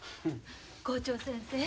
校長先生。